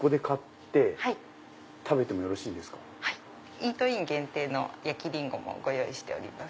イートイン限定の焼ＲＩＮＧＯもご用意しております。